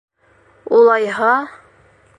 Улайһа...